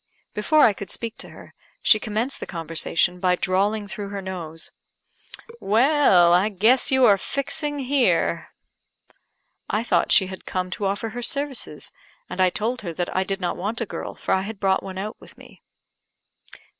Before I could speak to her, she commenced the conversation by drawling through her nose, "Well, I guess you are fixing here." I thought she had come to offer her services; and I told her that I did not want a girl, for I had brought one out with me.